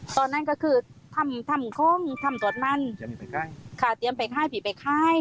ตอนนั้นก็คือทำข้องทำตรวจมันข้าเตรียมไปค่ายผิดไปค่าย